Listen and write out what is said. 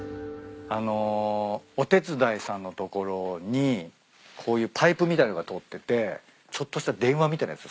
あのお手伝いさんの所にこういうパイプみたいなのが通っててちょっとした電話みたいなやつ。